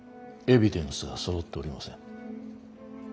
エビデンスがそろっておりません。